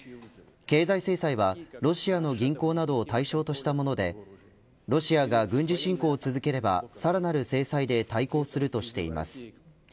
経済制裁はロシアの銀行などを対象としたものでロシアが軍事侵攻を続ければさらなる制裁で対抗するとしています。